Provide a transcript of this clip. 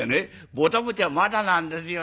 ぼた餅はまだなんですよ。